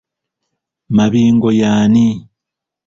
Mabingo y'ani?